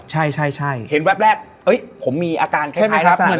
เห็นแว๊บแรกผมมีอาการคล้ายลักษณะนี้เหมือนกัน